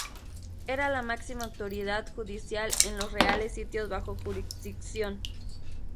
Era la máxima autoridad judicial en los reales sitios bajo jurisdicción.